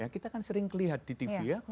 kita kan sering lihat di tv ya